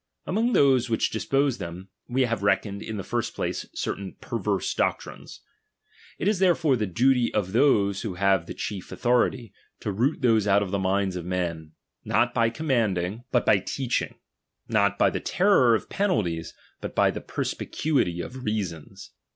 Among those which dispose them, we have reckoned in the first place certain perverse doctrines. It is therefore the duty of ho have the chief authority, to root those ;he minds of men, not by commanding, but 172 DOMINION. '. XIII, by teaching ; not by the teiTor of penalties, bur T^^ the perspicuity of reasons.